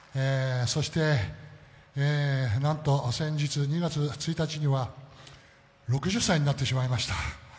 そしてなんと先日２月１日は、６０歳になってしまいました。